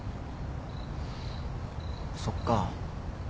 そっか。